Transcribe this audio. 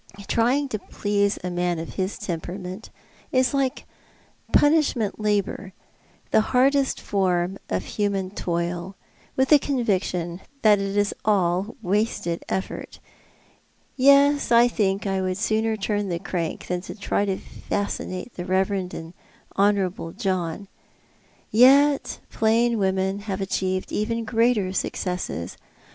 Trying to please a man of his temperament is like punish ment labour — the hardest form of human toil — with the con viction that it is all wasted effort. Yes, I think I would sooner turn the crank than try to fascinate the reverend and honour able John. Y'et plain women have achieved even greater successes.